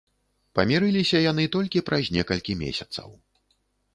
Памірыліся яны толькі праз некалькі месяцаў.